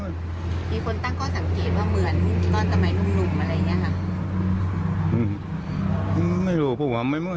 จนทีอันนี้พิคครรมมาฝา